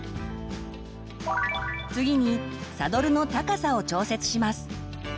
次にサドルの高さを調節します。